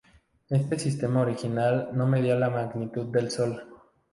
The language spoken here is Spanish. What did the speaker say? Este sistema original no medía la magnitud del Sol.